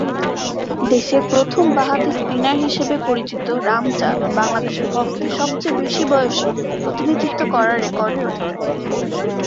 দেশের প্রথম বাঁহাতি স্পিনার হিসাবে পরিচিত রাম চাঁদ বাংলাদেশের পক্ষে সবচেয়ে বেশি বয়সে প্রতিনিধিত্ব করার রেকর্ডের অধিকারী।